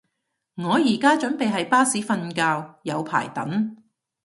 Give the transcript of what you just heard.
我而家準備喺巴士瞓覺，有排等